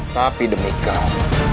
tapi demi kau